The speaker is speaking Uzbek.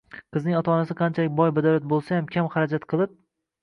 Qizning ota-onasi qanchalik boy-badavlat bo‘lsayam, kam xarajat qilib